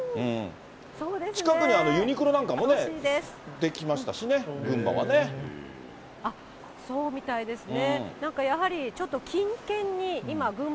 近くにユニクロなんかも出来ましたしね、そうみたいですね。